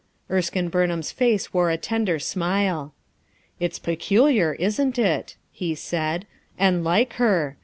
Erskine Burnham's face wore a tender smile. "It's peculiar, isn't it?" he said, "and like her.